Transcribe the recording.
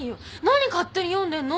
何勝手に読んでんの？